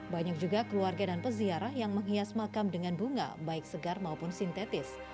banyak juga keluarga dan peziarah yang menghias makam dengan bunga baik segar maupun sintetis